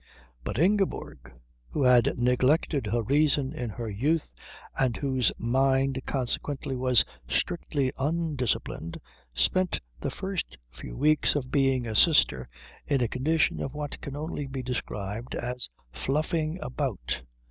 But Ingeborg, who had neglected her reason in her youth and whose mind consequently was strictly undisciplined, spent the first few weeks of being a sister in a condition of what can only be described as fluffing about.